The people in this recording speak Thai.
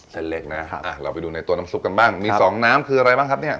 เส้นเล็กนะเราไปดูในตัวน้ำซุปกันบ้างมีสองน้ำคืออะไรบ้างครับเนี่ย